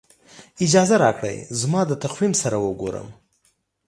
اجازه راکړئ زما د تقویم سره وګورم.